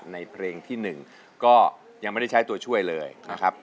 ในเพลงที่๑ก็ยังไม่ได้ใช้ตัวช่วยเลยนะครับ